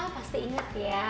pasti inget ya